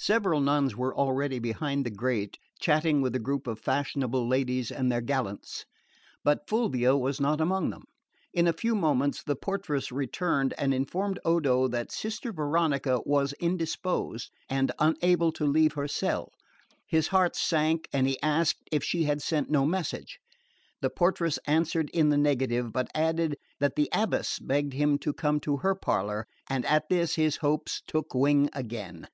Several nuns were already behind the grate, chatting with a group of fashionable ladies and their gallants; but Fulvia was not among them. In a few moments the portress returned and informed Odo that Sister Veronica was indisposed and unable to leave her cell. His heart sank, and he asked if she had sent no message. The portress answered in the negative, but added that the abbess begged him to come to her parlour; and at this his hopes took wing again.